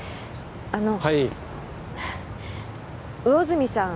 あのはい魚住さん